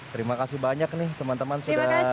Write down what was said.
terima kasih banyak nih teman teman sudah hadir ke bnn